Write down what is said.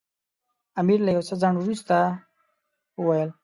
امیر له یو څه ځنډ څخه وروسته وویل.